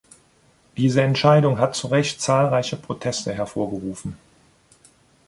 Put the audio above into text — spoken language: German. Diese Entscheidung hat zu Recht zahlreiche Proteste hervorgerufen.